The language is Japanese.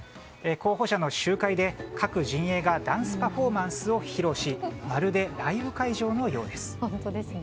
候補者の集会で各陣営がダンスパフォーマンスを披露しまるでライブ会場のようです。